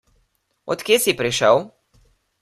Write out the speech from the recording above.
Od kje si prišel?